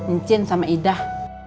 ecin sama idah